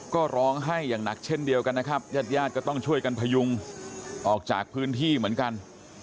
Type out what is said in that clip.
ก็ร้องไห้อย่างหนักเช่นเดียวกันนะครับญาติญาติก็ต้องช่วยกันพยุงออกจากพื้นที่เหมือนกัน